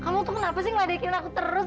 kamu tuh kenapa sih ngadekin aku terus